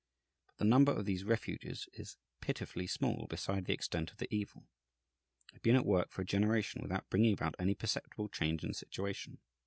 But the number of these refuges is pitifully small beside the extent of the evil. They have been at work for a generation without bringing about any perceptible change in the situation.